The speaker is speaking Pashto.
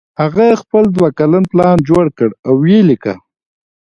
هغه خپل دوه کلن پلان جوړ کړ او ویې لیکه